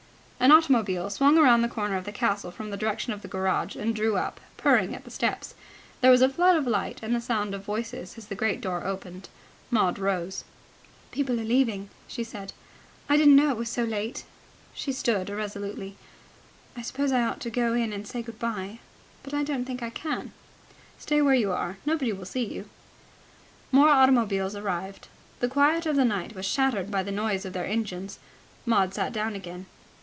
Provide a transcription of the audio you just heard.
An automobile swung round the corner of the castle from the direction of the garage, and drew up, purring, at the steps. There was a flood of light and the sound of voices, as the great door opened. Maud rose. "People are leaving," she said. "I didn't know it was so late." She stood irresolutely. "I suppose I ought to go in and say good bye. But I don't think I can." "Stay where you are. Nobody will see you." More automobiles arrived. The quiet of the night was shattered by the noise of their engines. Maud sat down again.